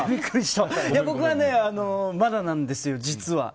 僕はまだなんですよ実は。